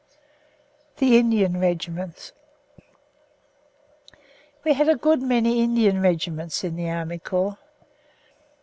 THE INDIAN REGIMENTS We had a good many Indian regiments in the Army Corps.